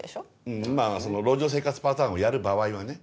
うんまぁ路上生活パターンをやる場合はね。